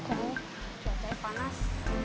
kayaknya cuacanya panas